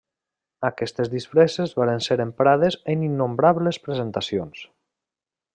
Aquestes disfresses varen ser emprades en innombrables presentacions.